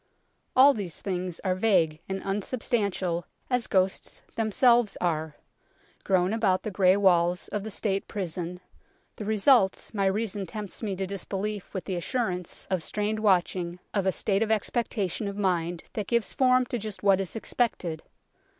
All these things are vague and unsubstantial, as ghosts themselves are, grown about the grey walls of the State prison the results, my reason tempts me to disbelief with the assurance, of strained watching, of a state of expectation of mind that gives form to just what is expected.